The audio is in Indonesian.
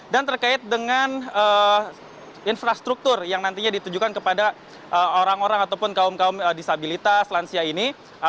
dan terkait dengan infrastruktur yang nantinya ditunjukkan kepada orang orang ataupun kaum kaum disabilitas lansia ini